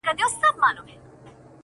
ورسره څه وکړم بې وسه سترگي مړې واچوي,